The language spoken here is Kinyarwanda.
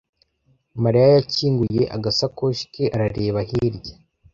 Mariya yakinguye agasakoshi ke arareba hirya.